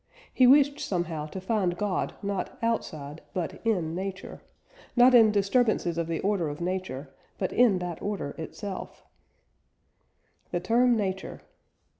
He wished somehow to find God not outside, but in Nature; not in disturbances of the order of Nature, but in that order itself. THE TERM NATURE.